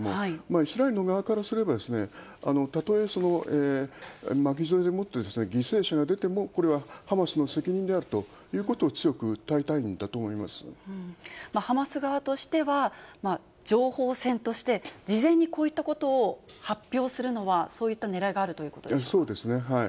イスラエルの側からすれば、例え巻き添えでもって犠牲者が出ても、これはハマスの責任であるということを強く訴えたいんだと思いまハマス側としては、情報戦として事前にこういったことを発表するのはそういったねらそうですね。